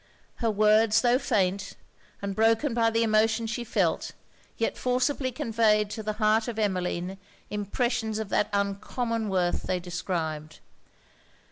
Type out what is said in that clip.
Her words, tho' faint, and broken by the emotion she felt, yet forcibly conveyed to the heart of Emmeline impressions of that uncommon worth they described.